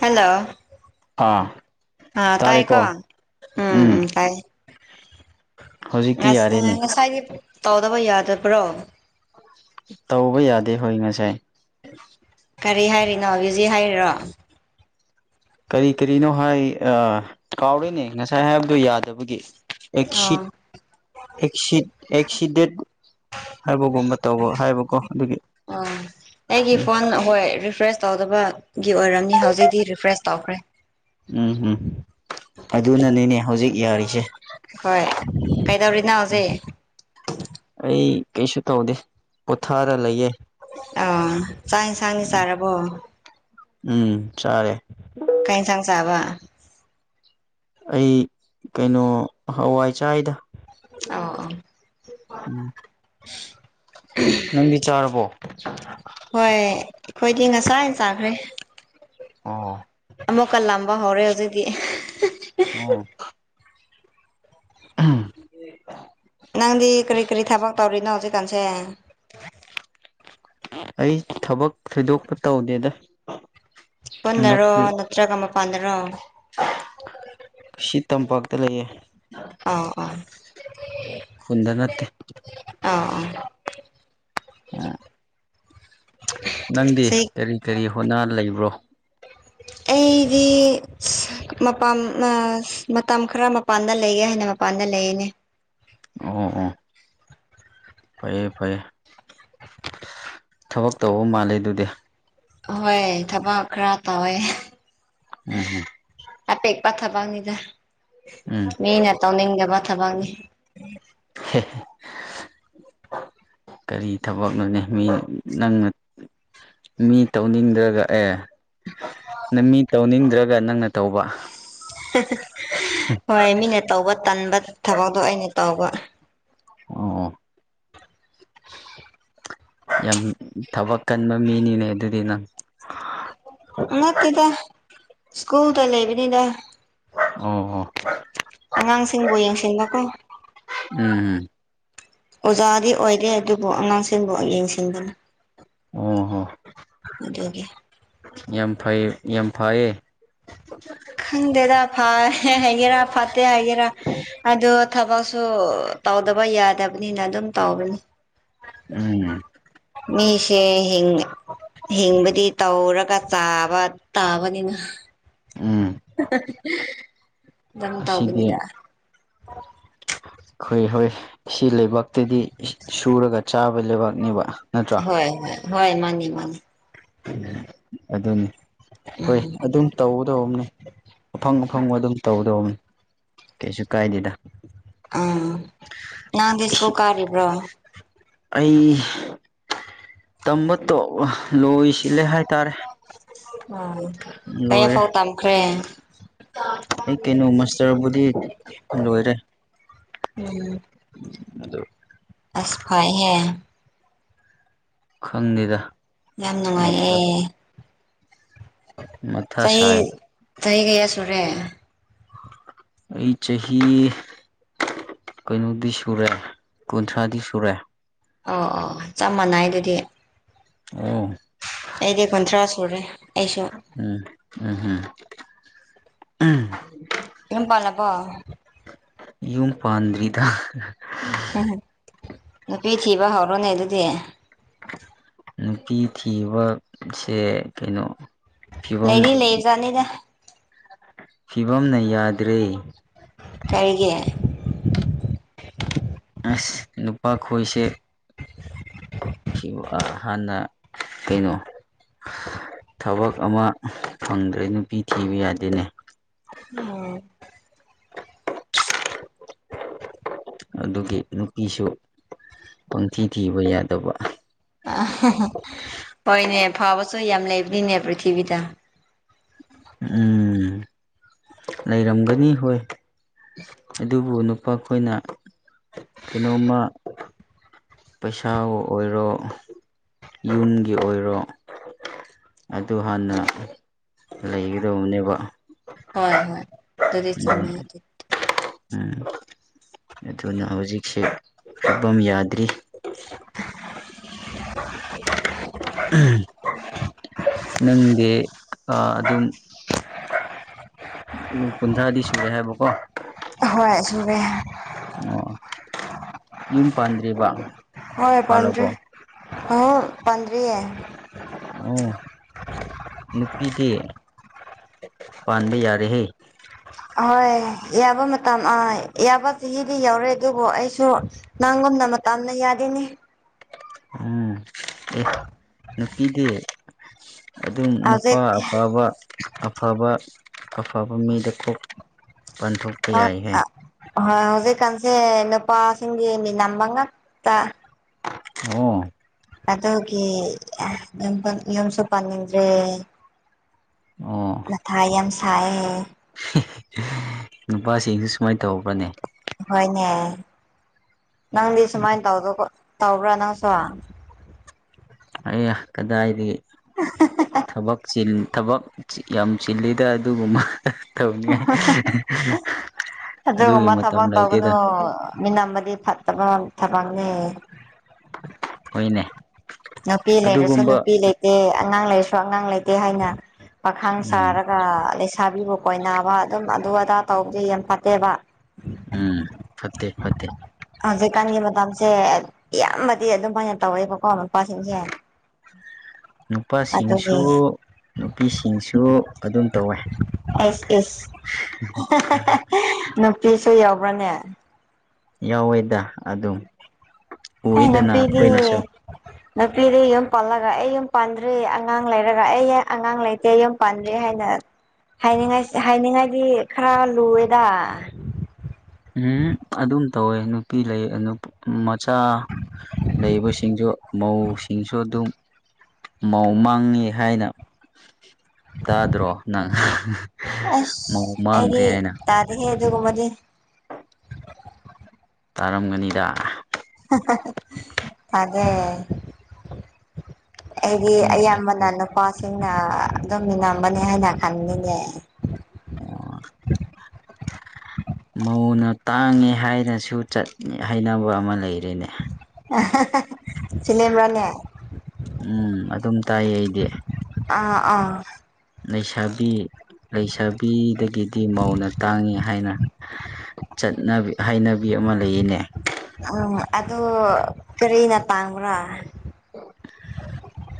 hello ꯑꯥ ꯑ ꯇꯥꯏꯌꯦ ꯀꯣ ꯇꯥꯔꯦꯀꯣ ꯎꯝ ꯎꯝ ꯇꯥꯏ ꯍꯧꯖꯤꯛꯇꯤ ꯉꯁ ꯑ ꯌꯥꯔꯦꯅꯦ ꯉꯁꯥꯏꯒꯤ ꯇꯧꯗꯕ ꯌꯥꯗꯕ꯭ꯔꯣ ꯇꯧꯕ ꯌꯥꯗꯦ ꯍꯣꯏ ꯉꯁꯥꯏ ꯀꯔꯤ ꯍꯥꯏꯔꯤꯅꯣ ꯕꯤꯖꯣ ꯍꯥꯢꯔꯤꯔꯣ ꯀꯔꯤ ꯀꯔꯤꯅꯣ ꯍꯥꯏ ꯑ ꯀꯥꯎꯔꯦꯅꯦ ꯉꯁꯥꯏ ꯍꯥꯏꯕꯗꯣ ꯌꯥꯗꯕꯒꯤ ꯑꯦꯁꯤꯠ ꯑꯦꯁꯤꯠ ꯑꯦꯁꯤꯗꯦꯠ ꯍꯥꯏꯕꯒꯨꯝꯕ ꯇꯧꯕ ꯍꯥꯏꯕꯀꯣ ꯑꯗꯨꯒꯤ ꯑꯥ ꯑꯩꯒꯤ ꯐꯣꯟ ꯍꯣꯏ ꯔꯤꯐ꯭ꯔꯦꯁ ꯇꯧꯗꯕꯒꯤ ꯑꯣꯏꯔꯝꯅꯤ ꯍꯧꯖꯤꯛꯇꯤ ꯔꯤꯐ꯭ꯔꯦꯁ ꯇꯧꯈ꯭ꯔꯦ ꯎꯝ ꯍꯨꯝ ꯑꯗꯨꯅꯅꯤꯅꯦ ꯍꯧꯖꯤꯛ ꯌꯥꯔꯤꯁꯦ ꯍꯣꯏ ꯀꯩꯗꯧꯔꯤꯅꯣ ꯍꯧꯖꯤꯛ ꯑꯩ ꯀꯩꯁꯨ ꯇꯧꯗꯦ ꯄꯣꯊꯥꯔ ꯂꯩꯌꯦ ꯑꯥ ꯆꯥꯛ ꯢꯟꯁꯥꯡꯗꯤ ꯆꯥꯔꯕꯣ ꯎꯝ ꯆꯥꯔꯦ ꯀꯩ ꯢꯟꯁꯥꯡ ꯆꯥꯕ ꯑꯩ ꯀꯩꯅꯣ ꯍꯋꯥꯏ ꯆꯥꯏꯗ ꯑꯣ ꯑꯣ ꯎꯝ ꯅꯪꯗꯤ ꯆꯥꯔꯕꯣ ꯍꯣꯏ ꯑꯩꯈꯣꯏꯗꯤ ꯉꯁꯥꯏ ꯆꯥꯈ꯭ꯔꯦ ꯑꯣ ꯑꯃꯨꯛꯀ ꯂꯥꯝꯕ ꯍꯧꯔꯦ ꯍꯧꯖꯤꯛꯗꯤ ꯑꯣ [unintelligible] ꯅꯪꯗꯤ ꯀ꯭ꯔꯤ ꯀ꯭ꯔꯤ ꯊꯕꯛ ꯇꯧꯔꯤꯅꯣ ꯍꯧꯖꯤꯛ ꯀꯥꯟꯁꯦ ꯑꯩ ꯊꯕꯛ ꯊꯣꯏꯗꯣꯛꯄ ꯇꯧꯗꯦꯗ ꯄꯨꯟꯅꯔꯣ ꯍꯟꯗꯛꯇꯤ ꯅꯠꯇ꯭ꯔꯒ ꯃꯄꯥꯟꯗꯔꯣ ꯁꯤ ꯇꯝꯄꯥꯛꯇ ꯂꯩꯌꯦ ꯑꯥ ꯑꯣ ꯈꯨꯟꯗ ꯅꯠꯇꯦ ꯑꯥ ꯑ ꯑꯣ ꯅꯪꯗꯤ ꯁꯤ ꯀꯔꯤ ꯀꯔꯤ ꯍꯣꯠꯅ ꯂꯩꯕ꯭ꯔꯣ ꯑꯩꯗꯤ ꯃꯄꯥꯟ ꯃꯇꯝ ꯈꯔ ꯃꯄꯥꯟꯗ ꯂꯩꯒꯦ ꯍꯥꯏꯅ ꯃꯄꯥꯟꯗ ꯂꯩꯌꯦꯅꯦ ꯑꯣ ꯑꯣ ꯐꯩꯌꯦ ꯐꯩꯌꯦ ꯊꯕꯛ ꯇꯧꯕ ꯃꯥꯜꯂꯦ ꯑꯗꯨꯗꯤ ꯑꯍꯣꯏ ꯊꯕꯛ ꯈꯔ ꯇꯧꯋꯦ ꯎꯝ ꯍꯝ ꯍꯥꯏꯐꯦꯠ ꯄꯥꯊꯥ ꯊꯕꯛ ꯅꯤꯗ ꯎꯝ ꯃꯤꯅ ꯇꯧꯅꯤꯡꯗꯕ ꯊꯕꯛꯅꯤ [unintelligible] ꯀꯔꯤ ꯊꯕꯛꯅꯣꯅꯦ ꯃꯤ ꯅꯪꯅ ꯃꯤ ꯇꯧꯅꯤꯡꯗ꯭ꯔꯒ ꯑꯦ ꯅꯪ ꯃꯤ ꯇꯧꯅꯤꯡꯗ꯭ꯔꯒ ꯅꯪꯅ ꯇꯧꯕ ꯍꯣꯏ ꯃꯤꯅ ꯇꯧꯕ ꯇꯟꯕ ꯊꯕꯛꯇꯣ ꯑꯩꯅ ꯇꯧꯕ ꯑꯣ ꯑꯣ [inaudible] ꯌꯥꯝ ꯊꯕꯛ ꯀꯟꯕ ꯃꯤꯅꯤꯅꯦ ꯑꯗꯨꯗꯤ ꯅꯪ ꯅꯠꯇꯦꯗ ꯁ꯭ꯀꯨꯜꯗ ꯂꯩꯕꯤꯅꯤꯗ ꯑꯣ ꯑꯣ ꯑꯉꯥꯡꯁꯤꯡꯕꯨ ꯌꯦꯡꯁꯤꯟꯕꯀꯣ ꯎꯝ ꯑꯣꯖꯥꯗꯤ ꯑꯣꯏꯗꯦ ꯑꯗꯨꯕꯨ ꯑꯉꯥꯡꯁꯤꯡꯕꯨ ꯌꯦꯡꯁꯤꯟꯕꯅ ꯑꯣ ꯍꯣ ꯑꯗꯨꯒꯤ ꯌꯥꯝ ꯐꯩꯌꯦ ꯌꯥꯝ ꯐꯩꯌꯦꯦ ꯈꯪꯗꯦꯗ ꯐꯥ ꯍꯥꯏꯒꯦꯔ ꯐꯥꯠꯇꯦ ꯍꯥꯏꯒꯦꯔ ꯑ ꯊꯕꯛꯁꯨ ꯇꯧꯗꯕ ꯌꯥꯗꯕꯅꯤꯅ ꯑꯗꯨꯝ ꯇꯧꯕꯅꯤ ꯎꯝ ꯃꯤꯁꯦ ꯍꯤꯡꯕꯗꯤ ꯇꯧꯔꯒ ꯆꯥꯕ ꯇꯥꯕꯅꯤꯅꯦ ꯎꯝ ꯑꯗꯨꯝ ꯑꯁꯤꯗꯤ ꯇꯧꯕꯅꯤꯗ ꯑꯩꯈꯣꯏ ꯍꯣꯏ ꯁꯤ ꯂꯩꯕꯥꯛꯇꯗꯤ ꯁꯨꯔꯒ ꯆꯥꯕ ꯂꯩꯕꯥꯛꯅꯦꯕ ꯅꯠꯇ꯭ꯔꯣ ꯍꯣꯏ ꯍꯣꯏ ꯍꯣꯏ ꯃꯥꯅꯤ ꯃꯥꯅꯤ ꯑꯗꯨꯅꯤ ꯍꯣꯏ ꯑꯗꯨꯝ ꯇꯧꯒꯗꯧꯕꯅꯤ ꯑꯐꯪ ꯑꯐꯪꯕ ꯑꯗꯨꯝ ꯇꯧꯗꯕꯅꯤ ꯀꯩꯁꯨ ꯀꯥꯏꯗꯦꯗ ꯎꯝ ꯅꯪꯗꯤ ꯏꯀꯜ ꯀꯥꯔꯤꯕ꯭ꯔꯣ ꯑꯩ ꯇꯝꯕ ꯇꯣ ꯂꯣꯏꯁꯤꯜꯂꯦ ꯍꯥꯏꯇꯥꯔꯦ ꯂꯣꯏꯔꯦ ꯎꯈ꯭ꯔꯦ ꯑꯩ ꯀꯩꯅꯣ ꯃꯁꯇꯔꯕꯨꯗꯤ ꯂꯣꯏꯔꯦ ꯎꯝ ꯑꯗꯣ ꯑꯁ ꯐꯥꯏ ꯍꯦ ꯈꯪꯗꯦꯗ ꯌꯥꯝ ꯃꯊꯥ ꯅꯨꯡꯉꯥꯏꯌꯦ ꯃꯊꯥ ꯆꯍꯤ ꯁꯥꯏ ꯆꯍꯤ ꯀꯌꯥ ꯁꯨꯔꯦ ꯑꯩ ꯆꯍꯤ ꯀꯩꯅꯣꯗꯤ ꯁꯨꯔꯦ ꯀꯨꯟꯊ꯭ꯔꯥꯗꯤ ꯁꯨꯔꯦ ꯑꯣ ꯑꯣ ꯆꯞ ꯃꯥꯟꯅꯩ ꯑꯗꯨꯗꯤ ꯑ ꯑꯩꯗꯤ ꯀꯨꯟꯊ꯭ꯔꯥ ꯁꯨꯔꯦ ꯑꯩꯁꯨ ꯎꯝ ꯎꯝ ꯌꯨꯝ ꯄꯜꯂꯥꯕꯣ ꯌꯨꯝ ꯄꯥꯟꯗ꯭ꯔꯤꯗ ꯎꯝ ꯅꯨꯄꯤ ꯊꯤꯕ ꯍꯧꯔꯣꯅꯦ ꯑꯗꯨꯗꯤ ꯅꯨꯄꯤ ꯊꯤꯕꯁꯦ ꯀꯩꯅꯣ ꯐꯤꯕꯝ ꯂꯩꯅꯤ ꯂꯩꯖꯅꯤꯅꯦ ꯐꯤꯕꯝꯅ ꯌꯥꯗ꯭ꯔꯦ ꯀꯔꯤꯒꯤ ꯑꯁ ꯅꯨꯄꯥ ꯈꯣꯏꯁꯦ ꯍꯥꯟꯅ ꯀꯩꯅꯣ ꯊꯕꯛ ꯑꯃ ꯐꯪꯗ꯭ꯔꯦ ꯅꯨꯄꯤ ꯊꯤꯕ ꯌꯥꯗꯦꯅꯦ ꯎꯝ ꯑꯗꯨꯒꯤ ꯅꯨꯄꯤꯁꯨ ꯄꯪꯊꯤ ꯊꯤꯕ ꯌꯥꯗꯕ ꯑ ꯍꯣꯏꯅꯦ ꯐꯕꯁꯨ ꯌꯥꯝ ꯂꯩꯕꯅꯤꯅꯦ ꯄ꯭ꯔꯤꯊꯤꯕꯤꯗ ꯎꯝ ꯂꯩꯔꯝꯒꯅꯤ ꯍꯣꯏ ꯑꯗꯨꯕꯨ ꯅꯨꯄꯥ ꯑꯩꯈꯣꯏꯅ ꯀꯩꯅꯣꯝꯃ ꯄꯩꯁꯥꯕꯨ ꯑꯣꯏꯔꯣ ꯌꯨꯝꯒꯤ ꯑꯣꯏꯔꯣ ꯑꯗꯨ ꯍꯥꯟꯅ ꯂꯩꯒꯗꯧꯕꯅꯦꯕ ꯍꯣꯏ ꯍꯣꯏ ꯇꯗꯤ ꯆꯦ ꯑꯗꯨꯝ ꯎꯝ ꯑꯗꯨꯅ ꯍꯧꯖꯤꯛꯁꯦ ꯐꯤꯕꯝ ꯌꯥꯗ꯭ꯔꯤ [inaudible] ꯅꯪꯗꯤ ꯑꯗꯨꯝ ꯎ ꯀꯨꯟꯊ꯭ꯔꯥꯗꯤ ꯁꯨꯔꯦ ꯍꯥꯏꯕꯀꯣ ꯍꯣꯏꯁꯨꯒꯦ ꯑꯣ ꯌꯨꯝ ꯄꯥꯟꯗ꯭ꯦꯔꯤꯕ ꯍꯣꯏ ꯄꯟ ꯍ ꯄꯗꯔꯤ ꯑꯣ ꯅꯨꯄꯤꯗꯤ ꯄꯥꯟꯕ ꯌꯥꯔꯦꯍꯦ ꯑꯍꯣꯏ ꯌꯥꯕ ꯃꯇꯝ ꯑꯥ ꯌꯥꯕ ꯆꯍꯤꯗꯤ ꯌꯧꯔꯦ ꯑꯗꯨꯕꯨ ꯑꯩꯁꯨ ꯅꯪꯣ ꯅ ꯃ ꯇꯝꯅ ꯌꯥꯗꯅꯤ ꯎꯝ ꯑꯦ ꯅꯨꯄꯤꯗꯤ ꯑꯗꯨꯝ ꯅꯨꯄꯥ ꯍꯧꯖꯤꯛ ꯑꯐꯕ ꯑꯐꯕ ꯑꯐꯕ ꯃꯤꯗ ꯀꯣꯛ ꯄꯥꯟꯊꯣꯛ ꯍꯣꯏ ꯍꯧꯖꯤꯛꯀꯥꯟꯁꯦ ꯅꯨꯄꯥꯁꯤꯡꯒꯤ ꯃꯤ ꯅꯝꯕ ꯉꯥꯛꯇ ꯑꯣ ꯑꯗꯨꯒꯤ ꯌꯨꯝ ꯁꯨ ꯄꯟꯅꯤꯡꯗꯔ꯭ꯦ ꯑꯣ ꯃꯊꯥꯏ ꯌꯥꯝ ꯁꯥꯏꯌꯦ ꯅꯨꯄꯥꯁꯤꯡꯁꯨ ꯁꯨꯃꯥꯏꯅ ꯇꯧꯕꯔꯥꯅꯦ ꯍꯣꯏꯅꯦ ꯅꯪꯗꯤ ꯁꯨꯃꯥꯏꯅ ꯇꯧꯗ ꯇꯧꯕ꯭ꯔꯥ ꯅꯪꯁꯨ ꯑꯩ ꯀꯗꯥꯏꯗꯒꯤ ꯊꯕꯛ ꯊꯕꯛ ꯌꯥꯝ ꯆꯤꯜꯂꯤꯗ ꯑꯗꯨꯒꯨꯝꯕ ꯇꯧꯅꯤꯉꯥꯏ ꯑꯗꯨꯒꯨꯝꯕ ꯊꯕꯛ ꯇꯧꯒꯅꯨ ꯃꯤꯅꯝꯕꯗꯤ ꯐꯠꯇꯕ ꯊꯕꯛꯅꯦ ꯍꯣꯏꯅꯦ ꯅꯨꯄꯤ ꯂꯩꯔꯁꯨ ꯑꯗꯨꯒꯨꯝꯕ ꯅꯨꯄꯤ ꯂꯩꯇꯦ ꯑꯉꯥꯡ ꯂꯩꯔꯁꯨ ꯑꯉꯥꯡ ꯂꯩꯇꯦ ꯍꯥꯏꯅ ꯄꯥꯈꯥꯡ ꯎꯝ ꯁꯥꯔꯒ ꯈ ꯂꯩꯁꯥꯕꯤꯕꯨ ꯀꯣꯏꯅꯕ ꯑꯗꯨꯝ ꯑꯗꯨ ꯑꯗꯥ ꯇꯧꯕꯗꯤ ꯌꯥꯝ ꯐꯠꯇꯦꯕ ꯎꯝ ꯐꯠꯇꯦ ꯐꯠꯇꯦ ꯍꯧꯖꯤꯛꯀꯥꯟꯒꯤ ꯃꯇꯝꯁꯦ ꯏꯌꯥꯝꯕꯗꯤ ꯑꯗꯨꯝ ꯑꯣꯏꯅ ꯇꯧꯋꯦꯕꯀꯣ ꯃꯄꯥꯁꯤꯡꯁꯦ [inaudible] ꯅꯨꯄꯥꯁꯤꯡꯁꯨ ꯑꯗꯨꯒꯤ ꯅꯨꯄꯤꯁꯤꯡꯁꯨ ꯑꯗꯨꯝ ꯇꯧꯋꯦ ꯑꯦꯁ ꯅꯨꯄꯤꯁꯨ ꯌꯥꯎꯕ꯭ꯔꯅꯦ ꯌꯥꯎꯋꯦꯗ ꯑꯗꯨ ꯎꯏꯗꯅ ꯑꯩꯈꯣꯏꯅꯁꯨ ꯅꯨꯄꯤꯗꯨ ꯌꯨꯝ ꯄꯜꯂꯒ ꯑꯩ ꯌꯨꯝ ꯄꯥꯟꯗ꯭ꯔꯤ ꯑꯉꯥꯡ ꯂꯩꯔꯒ ꯑꯩ ꯌꯥ ꯑꯉꯥꯡ ꯂꯩꯇ ꯏꯦ ꯌ ꯄꯥꯟꯗ꯭ꯔꯦ ꯍꯥꯏꯅ ꯍꯥꯏꯅꯤꯡꯉꯥꯏ ꯍꯥꯏꯅꯤꯡꯉꯥꯏꯗꯤ ꯈꯔ ꯂꯨꯑꯦꯗ ꯎꯝ ꯑꯗꯨꯝ ꯇꯧꯋꯦ ꯅꯨꯄꯤ ꯂꯩ ꯃꯆꯥ ꯂꯩꯕꯁꯤꯡꯁꯨ ꯃꯧꯁꯤꯡꯁꯨ ꯑꯗꯨꯝ ꯃꯧ ꯃꯥꯡꯉꯤ ꯍꯥꯏꯅ ꯇꯥꯗ꯭ꯔꯣ ꯅꯪ ꯃꯧ ꯃꯥꯡꯈ꯭ꯔꯦ ꯍꯥꯏꯅ ꯇꯔ ꯍꯦ ꯑꯗꯨꯒꯨꯝ ꯃꯗꯤ ꯇꯥꯔꯝꯒꯅꯤꯗ ꯑꯗꯦ ꯑꯩꯗꯤ ꯎꯝ ꯑꯌꯥꯝꯕꯅ ꯑꯩꯈꯣꯏ ꯅꯨꯄꯥꯁꯤꯡꯅ ꯑꯗꯨꯝ ꯃꯤ ꯅꯝꯕꯅꯤ ꯍꯥꯏꯅ ꯈꯟꯅꯤꯡꯉꯦ ꯑꯣ ꯃꯧꯅ ꯇꯥꯡꯉꯦ ꯍꯥꯏꯅꯁꯨ ꯆ ꯍꯥꯏꯅꯕ ꯑꯃ ꯂꯩꯔꯤꯅꯦ ꯁꯤꯂ ꯔꯅꯦ ꯎꯝ ꯑꯗꯨꯝ ꯇꯥꯏꯌꯦ ꯑꯩꯗꯤ ꯑꯥ ꯑꯥ ꯂꯩꯁꯥꯕꯤ ꯂꯩꯁꯥꯕꯤꯗꯒꯤꯗꯤ ꯃꯧꯅ ꯇꯥꯡꯏꯤ ꯍꯥꯏꯅ ꯆꯠꯅꯕꯤ ꯍꯥꯏꯅꯕꯤ ꯑꯃ ꯂꯩꯌꯦꯅꯦ ꯎꯝ ꯑꯗꯨ ꯀꯔꯤꯅ ꯇꯥꯡꯕ꯭ꯔꯥ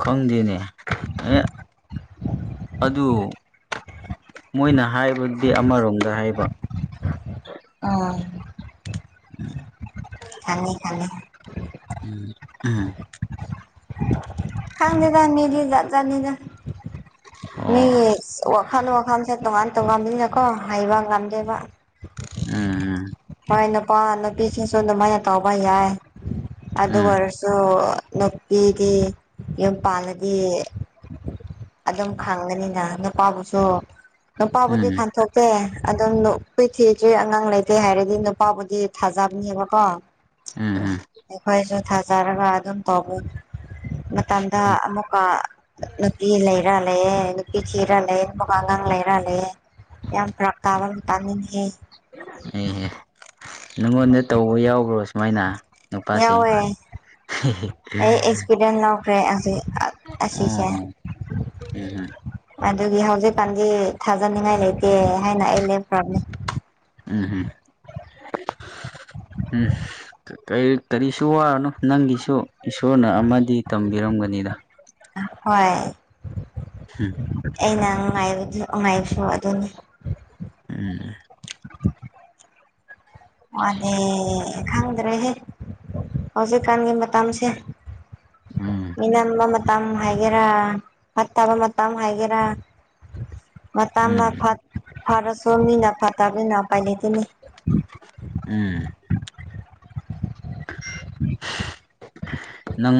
ꯈꯪꯗꯅꯦ ꯑ ꯑꯗꯨ ꯃꯣꯏꯅ ꯍꯥꯏꯕꯗꯤ ꯑꯃꯔꯣꯝꯗ ꯍꯥꯏꯕ ꯑꯥ ꯎꯝ ꯐꯅꯤ ꯐꯅꯤ ꯎꯝ ꯎꯝ ꯈꯪꯗꯦ ꯗ ꯃꯤ ꯗꯤ ꯖꯥꯠ ꯖꯥꯠ ꯅꯤ ꯗ ꯑꯣ ꯃꯤꯒꯤ ꯋꯥꯈꯜ ꯋꯥꯈꯜꯁꯦ ꯇꯣꯉꯥꯟ ꯇꯣꯉꯥꯟꯕꯅꯤꯅꯀꯣ ꯍꯩꯕ ꯉꯝꯗꯦꯕ ꯎꯝ ꯃꯣꯏꯅ ꯄꯅ ꯄꯤꯁ ꯁꯣ ꯃꯥꯏꯅ ꯇꯧꯕ ꯌꯥꯏ ꯑꯗꯨ ꯎꯝ ꯑꯣꯏꯔꯁꯨ ꯅꯨꯄꯤꯗꯤ ꯌꯨꯝ ꯄꯥꯟꯜꯂꯗꯤ ꯑꯗꯨꯝ ꯈꯪꯒꯅꯤꯅ ꯅꯨꯄꯥꯕꯨꯁꯨ ꯅꯨꯄꯥꯕꯨꯗꯤ ꯎꯝ ꯎꯝ ꯈꯊꯣꯛ ꯑꯦꯦ ꯑꯗꯨꯝ ꯄꯤꯊꯤꯗ꯭ꯔꯤ ꯑꯉꯥꯡ ꯂꯩꯇꯦ ꯍꯥꯏꯔꯗꯤ ꯅꯨꯄꯥꯕꯨꯗꯤ ꯊꯥꯖꯕꯅꯦꯕꯀꯣ ꯎ ꯎꯝꯝ ꯑꯩꯈꯣꯏꯁꯨ ꯊꯥꯖꯔꯒ ꯑꯗꯨꯝ ꯇꯧꯕ ꯃꯇꯗ ꯃꯀꯥ ꯅꯨꯄꯤ ꯂꯩꯔ ꯂꯩꯌꯦꯦ ꯅꯨꯄꯤ ꯊꯤꯔ ꯂꯩ ꯅꯨꯄꯥ ꯑꯉꯥꯡ ꯂꯩꯔ ꯂꯩꯌꯦꯦ ꯌꯥꯝ ꯐꯔꯛ ꯇꯥꯕ ꯑꯃ ꯇꯥꯃꯤꯟꯅꯍꯦ ꯎ ꯅꯉꯣꯟꯗ ꯇꯧꯕ ꯌꯥꯎꯕ꯭ꯔꯣ ꯁꯨꯃꯥꯏꯅ ꯅꯨꯄꯥꯁꯤꯡ ꯌꯥꯎꯋꯦ ꯐ꯭ꯔꯦ ꯑꯁꯤ ꯑꯁꯤꯁꯦ ꯑꯣ ꯎꯝ ꯑꯗꯨꯒꯤ ꯍꯧꯖꯤꯛꯀꯥꯟꯗꯤ ꯊꯥꯖꯅꯤꯡꯉꯥꯏ ꯂꯩꯇꯦ ꯍꯥꯏꯅ ꯑꯩ ꯂꯦꯞꯈ꯭ꯔꯕꯅꯦ ꯎꯝꯝ ꯎꯝ ꯀꯔꯤꯁꯨ ꯋꯥꯔꯅꯣ ꯅꯪꯒꯤꯁꯨ ꯏꯁꯣꯔꯅ ꯑꯃꯗꯤ ꯇꯝꯕꯤꯔꯝꯒꯅꯤꯗ ꯍꯣꯏꯣꯏ ꯎ ꯑꯩꯅ ꯅꯨꯡꯉꯥꯏꯕ ꯅꯨꯡꯉꯥꯏꯕꯁꯨ ꯑꯗꯨꯅꯤ ꯑ ꯑꯅꯦ ꯈꯪꯗ꯭ꯔꯦꯍꯦ ꯍꯧꯖꯤꯛꯀꯥꯟꯒꯤ ꯃꯇꯝꯁꯦ ꯎꯝ ꯏꯅꯝꯕ ꯃꯇꯝ ꯍꯥꯏꯒꯦꯔꯥ ꯐꯠꯇꯕ ꯃꯇꯝ ꯍꯥꯏꯒꯦꯔꯥ ꯃꯇꯝꯅ ꯎꯝ ꯐꯔꯁꯨ ꯃꯤꯅ ꯐꯠꯇꯕꯅꯤꯅ ꯄꯥꯏ ꯂꯩꯇꯣꯏꯅꯤ ꯎꯝ [inaudible] ꯅꯪ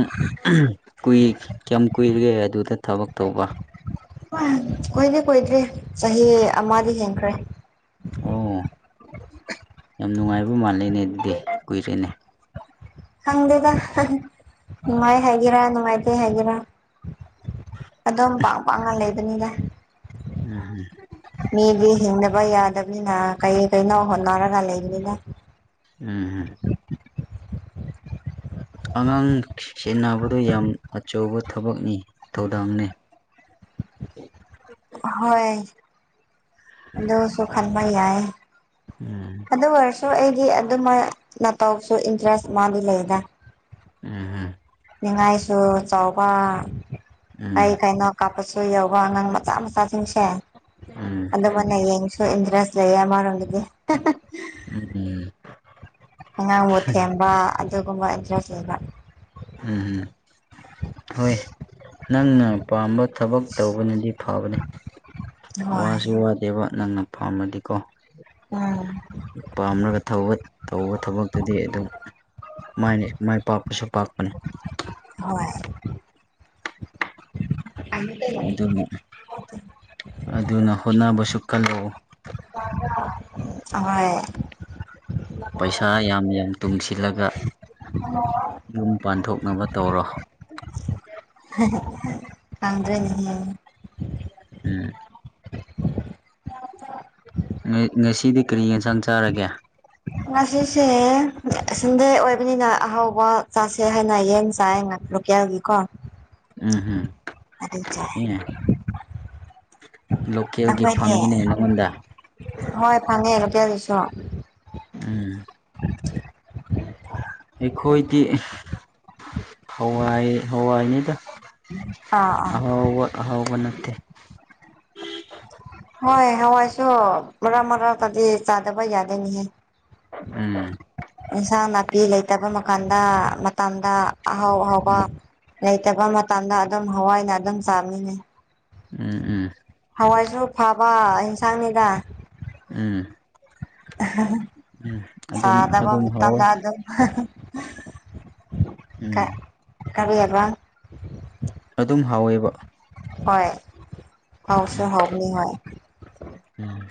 ꯀꯨꯏ ꯀꯌꯥꯝ ꯀꯨꯏꯔꯒꯦ ꯑꯗꯨꯗ ꯊꯕꯛ ꯇꯧꯕ ꯍ ꯀꯨꯏꯗꯦ ꯀꯨꯏꯗ꯭ꯦ ꯆꯍꯤ ꯑꯃꯗꯤ ꯍꯦꯟꯈ꯭ꯔꯦ ꯑꯣ ꯌꯥꯝ ꯅꯨꯡꯉꯥꯏꯕ ꯃꯥꯜꯂꯦꯅꯦ ꯑꯗꯨꯗꯤ ꯀꯨꯏꯔꯦꯅꯦ ꯈꯪꯗꯦꯗ ꯅꯨꯡꯉꯥꯏ ꯍꯥꯏꯒꯦꯔ ꯅꯨꯡꯉꯥꯏꯇꯦ ꯍꯥꯏꯒꯦꯔꯥ ꯑꯗꯨꯝ ꯄꯥꯛ ꯄꯥꯛꯅ ꯂꯩꯕꯅꯤꯗ ꯎꯝ ꯃꯤꯗꯤ ꯍꯤꯡꯗꯕ ꯌꯥꯗꯕ ꯅꯤꯅ ꯀꯩ ꯀꯩꯅꯣ ꯍꯣꯠꯅꯔꯒ ꯂꯩꯕꯅꯤꯅ ꯎꯝ ꯑꯉꯥꯡ ꯁꯦꯟꯅꯕꯗ ꯌꯥꯝ ꯑꯆꯧꯕ ꯊꯕꯛꯅꯤ ꯊꯧꯗꯥꯡꯅꯦ ꯍꯣꯏ ꯑꯗꯣ ꯁꯈꯥꯟꯚ ꯌꯥꯌꯦ ꯎꯝ ꯑꯗꯨꯗꯣꯔꯁ ꯁ ꯑꯩꯗꯤ ꯑꯗꯨꯃ ꯅꯧꯁꯨ ꯏꯟꯇꯔꯦꯁ ꯃꯥꯗꯤ ꯂꯩꯗ ꯎꯝ ꯅꯤꯡꯉꯥꯏꯁꯨ ꯆꯥꯎꯕ ꯀ ꯎꯝ ꯀꯥꯏꯩꯅ ꯀꯥꯞꯄꯁꯨ ꯌꯎꯧꯕ ꯑꯉꯥꯡ ꯃꯆꯥ ꯃꯆꯥꯁꯤꯡꯁꯦ ꯎꯝ ꯑꯗꯨ ꯃꯅ ꯌꯦꯡꯁꯨ ꯏꯟꯇꯔꯦꯁ ꯂꯩꯌꯦ ꯑꯃꯔꯣꯝꯒꯤꯗꯤ ꯎꯝ ꯑꯉꯥꯡꯕꯨ ꯊꯦꯝꯕ ꯑꯗꯨꯒꯨꯝꯕ ꯏꯟꯇ꯭ꯔ ꯂꯩꯕ ꯎꯝꯝ ꯍꯣꯏ ꯅꯪꯅ ꯄꯥꯝꯕ ꯊꯕꯛ ꯇꯧꯕꯅꯗꯤ ꯐꯕꯅꯤ ꯍꯣꯏ ꯋꯥꯁꯨ ꯋꯥꯗꯦꯕ ꯅꯪꯅ ꯐꯥꯝꯃꯗꯤꯀꯣ ꯎꯝ ꯄꯥꯝꯂꯒ ꯇꯧꯕ ꯊꯕꯛꯇꯨꯗꯤ ꯑꯗꯨꯝ ꯃꯥꯏꯅꯤ ꯃꯥꯏ ꯄꯥꯛꯄꯁꯨ ꯄꯥꯛꯄꯅꯤ ꯍꯣꯏ ꯑꯗꯨꯅ ꯑꯗꯨꯅ ꯍꯣꯠꯅꯕꯁꯨ ꯈꯜꯂꯛꯎ [unintelligible] ꯍꯍꯣꯏ ꯄꯩꯁꯥ ꯌꯥꯝ ꯌꯥꯝ ꯇꯨꯡꯁꯤꯜꯂꯒ ꯑ ꯌꯨꯝ ꯄꯥꯟꯊꯣꯛꯅꯕ ꯇꯧꯔꯣ ꯄꯝꯗꯔ꯭ꯦꯅꯦ ꯎꯝ ꯉꯁꯤꯗꯤ ꯀꯔꯤ ꯌꯦꯟꯁꯥꯡ ꯆꯥꯔꯒꯦ ꯉꯁꯤꯁꯦ ꯁꯤꯟꯗꯦ ꯑꯣꯏꯕꯅꯤꯅ ꯑꯍꯥꯎꯕ ꯆꯥꯁꯦ ꯍꯥꯏꯅ ꯌꯦꯟ ꯆꯥꯏ ꯉꯥꯛ ꯀꯌꯥꯝ ꯀꯣ ꯎꯝ ꯎꯝ ꯑꯗꯨꯆ ꯑꯦ ꯂꯣꯀꯦꯜꯒꯤ ꯅꯈꯣꯏꯗꯤ ꯐꯪꯉꯤꯅꯦ ꯅꯪꯉꯣꯟꯗ ꯍꯣꯏ ꯐꯥꯉꯦꯉꯇꯌꯥ ꯑꯗꯨꯁꯨ ꯎꯝ ꯑꯩꯈꯣꯏꯗꯤ ꯍꯋꯥꯏ ꯍꯋꯥꯏꯅꯤꯗ ꯑꯥ ꯑꯍꯥꯎꯕ ꯑꯍꯥꯎꯕ ꯅꯠꯇꯦ ꯍꯣꯏ ꯍꯋꯥꯏꯁꯨ ꯃꯔꯥ ꯃꯔꯥꯇꯗꯤ ꯆꯥꯗꯕ ꯌꯥꯗꯣꯏꯅꯤꯍ ꯎꯝ ꯑꯦꯟꯁꯥꯡ ꯅꯥꯄꯤ ꯂꯩꯇꯕ ꯃꯥꯟꯗ ꯃꯇꯝꯗ ꯑꯍꯥꯎ ꯑꯍꯥꯎꯕ ꯎꯝ ꯂꯩꯇꯕ ꯃꯇꯝꯗ ꯑꯗꯨꯝ ꯍꯋꯥꯏꯅ ꯑꯗꯨꯝ ꯆꯥꯃꯤꯅꯦ ꯎꯝ ꯎꯝ ꯍꯋꯥꯏꯁꯨ ꯐꯕ ꯑꯦꯟꯁꯥꯡꯅꯤꯗ ꯎꯝ ꯎꯝ ꯑꯗꯨꯝ ꯁꯥꯥꯗꯕ ꯑꯗꯨꯝ ꯍꯥꯎꯋꯦ ꯃꯤꯠꯇꯗ ꯑꯗꯨ ꯀ ꯎꯝ ꯀꯔꯤ ꯌꯥꯕ ꯑꯗꯨꯝ ꯍꯥꯎꯋꯦꯕ ꯍ ꯍꯋꯥꯁꯔ ꯍꯕꯅꯤ ꯍ ꯎꯝ